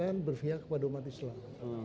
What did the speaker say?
yang berpihak kepada umat islam